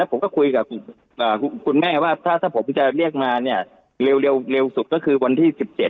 ผมก็คุยกับคุณแม่ว่าถ้าผมจะเรียกมาเนี่ยเร็วสุดก็คือวันที่๑๗